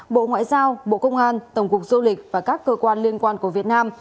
bộ ngoại giao bộ công an tổng cục du lịch và các cơ quan liên quan của việt nam